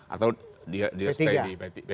atau dia stay di p tiga